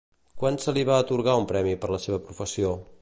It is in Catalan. Quan se li va atorgar un premi per la seva professió?